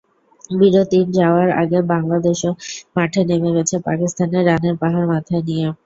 বিরতির যাওয়ার আগে বাংলাদেশও মাঠে নেমে গেছে পাকিস্তানের রানের পাহাড় মাথায় নিয়ে।